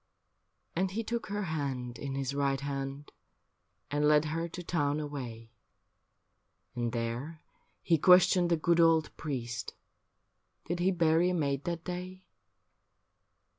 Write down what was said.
And he took her hand in his right hand And led her to town away. And there he questioned the good old priest, Did he bury a maid that day.